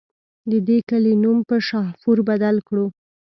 د دې کلي نوم پۀ شاهپور بدل کړو